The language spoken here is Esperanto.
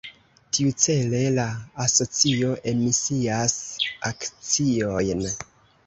Tiucele la asocio emisias akciojn.